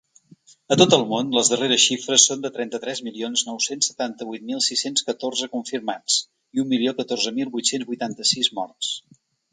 A tot el món, les darreres xifres són de trenta-tres milions nou-cents setanta-vuit mil sis-cents catorze confirmats i un milió catorze mil vuit-cents vuitanta-sis morts.